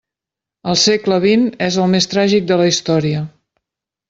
El segle vint és el més tràgic de la història.